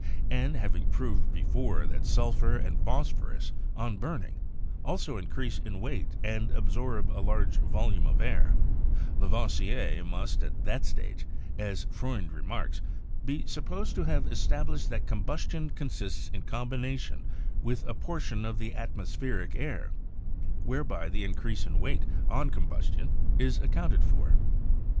And having proved before that sulphur and phosphorus on burning also increase in weight and absorb a large vol ume of air, Lavoisier must at that stage, as Freund re marks, be supposed to have established that combustion consists in combination with a portion of the atmospheric air, whereby the increase in weight on combustion is ac counted for.